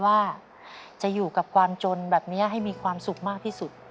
ว่าจะอยู่กับความจนแบบนี้ให้มีความสุขมากที่สุด